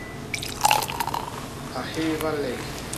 A hééba ley.